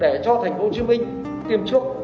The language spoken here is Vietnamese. để cho thành phố hồ chí minh kiểm trúc